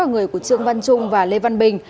người của trương văn trung và lê văn bình